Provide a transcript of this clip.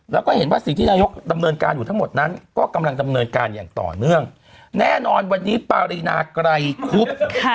แล้วก็เห็นว่าสิ่งที่นายกดำเนินการอยู่ทั้งหมดนั้นก็กำลังดำเนินการอย่างต่อเนื่องแน่นอนวันนี้ปารีนาไกรคุบ